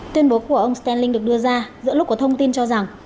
tuyên bố của ông stanlin được đưa ra giữa lúc có thông tin cho rằng